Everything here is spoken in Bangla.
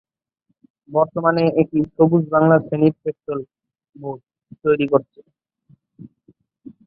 বর্তমানে এটি সবুজ বাংলা শ্রেণীর পেট্রোল বোর্ড তৈরি করছে।